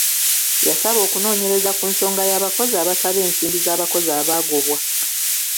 Yasaba okunoonyereza ku nsonga y'abakozi abasaba ensimbi z'abakozi abaagobwa.